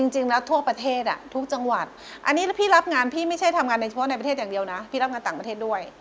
จริงแล้วทั่วประเทศทุกจังหวัดอันนี้พี่รับงานพี่ไม่ใช่ทำงานในเฉพาะในประเทศอย่างเดียวนะพี่รับงานต่างประเทศด้วย